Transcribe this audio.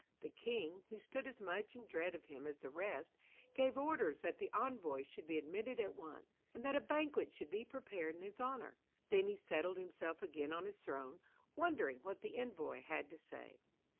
The king, who stood as much in dread of him as the rest, gave orders that the envoy should be admitted at once, and that a banquet should be prepared in his honour. Then he settled himself again on his throne, wondering what the envoy had to say.